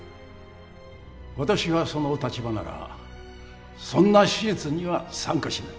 私がその立場ならそんな手術には参加しない。